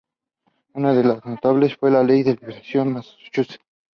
Una de las más notables fue la Ley de Libertad de Massachusetts.